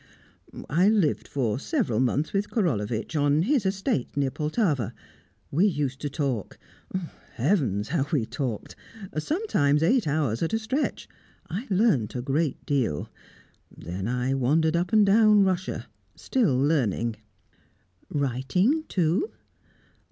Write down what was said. "I lived for several months with Korolevitch, on his estate near Poltava. We used to talk heavens! how we talked! Sometimes eight hours at a stretch. I learnt a great deal. Then I wandered up and down Russia, still learning." "Writing, too?"